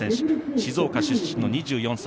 静岡出身の２４歳。